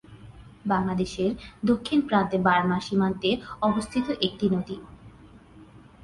বাংলাদেশের দক্ষিণ প্রান্তে বার্মা সীমান্তে অবস্থিত একটি নদী।